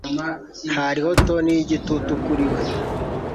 Hariho toni y'igitutu kuri we.